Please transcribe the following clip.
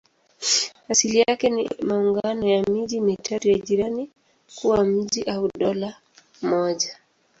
Asili yake ni maungano ya miji mitatu ya jirani kuwa mji au dola moja.